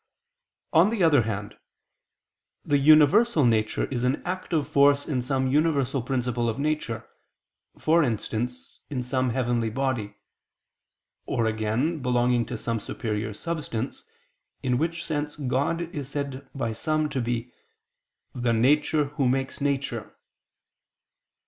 On the other hand, the universal nature is an active force in some universal principle of nature, for instance in some heavenly body; or again belonging to some superior substance, in which sense God is said by some to be "the Nature Who makes nature."